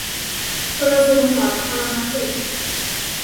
กระทรวงสาธารณสุข